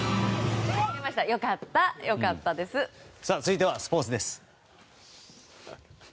続いてはスポーツです。